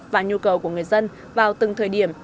và nhu cầu của người dân vào từng thời điểm